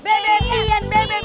bebep iyan bebep iyan